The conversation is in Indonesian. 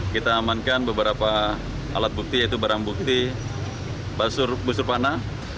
kita amankan beberapa alat bukti yaitu barang bukti busur panah